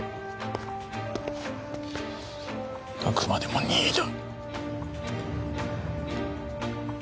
あくまでも任意だ。